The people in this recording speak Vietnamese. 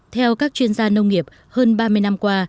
theo các chuyên gia nông nghiệp hơn ba mươi năm qua